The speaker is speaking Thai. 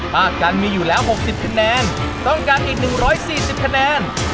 ป้ากันมีอยู่แล้ว๖๐คะแนนต้องการอีก๑๔๐คะแนน